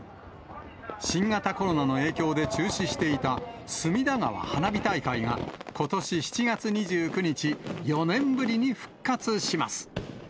新型コロナの影響で中止していた隅田川花火大会が、ことし７月２９日、４年ぶりに復活します。